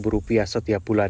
rupiah setiap bulan